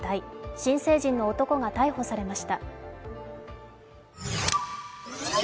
新成人の男が逮捕されました。